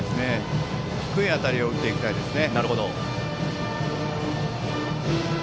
低い当たりを打っていきたいですね。